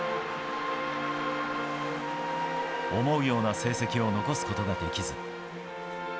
思うような成績を残すことができず。